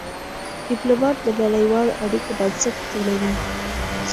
ډيپلومات د نړېوالو اړیکو بنسټ جوړوي.